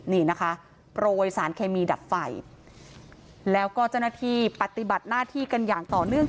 นี่นะคะโปรยสารเคมีดับไฟแล้วก็เจ้าหน้าที่ปฏิบัติหน้าที่กันอย่างต่อเนื่อง